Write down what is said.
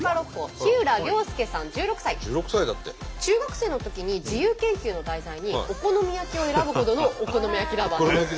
１６歳だって。中学生のときに自由研究の題材に「お好み焼き」を選ぶほどのお好み焼きＬｏｖｅｒです。